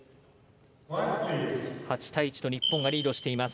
８対１と日本がリードしています。